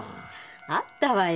あったわよ。